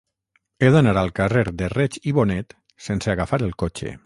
He d'anar al carrer de Reig i Bonet sense agafar el cotxe.